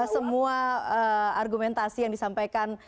semua argumentasi yang disampaikan